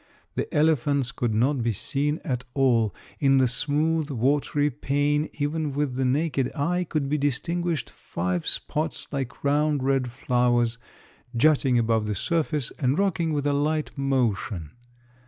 The elephants could not be seen at all; in the smooth watery pane even with the naked eye could be distinguished five spots like round red flowers, jutting above the surface and rocking with a light motion.